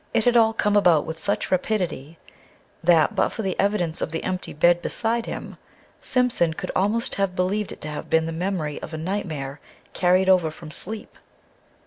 It had all come about with such rapidity that, but for the evidence of the empty bed beside him, Simpson could almost have believed it to have been the memory of a nightmare carried over from sleep.